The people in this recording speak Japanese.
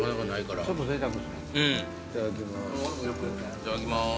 いただきます。